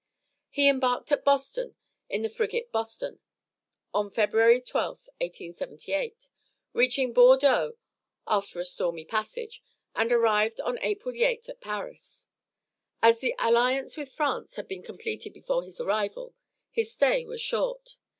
He embarked at Boston, in the Frigate Boston, on February 12th, 1878, reaching Bordeaux after a stormy passage, and arrived on April 8th at Paris. As the alliance with France had been completed before his arrival, his stay was short.